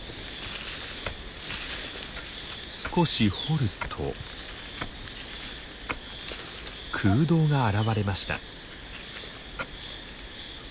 少し掘ると空洞が現れました。